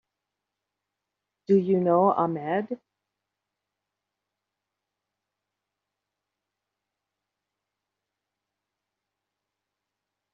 Do you know Ahmed?